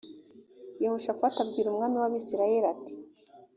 yehoshafati abwira umwami w’abisirayeli ati